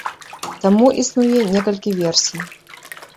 Таму існуе некалькі версій.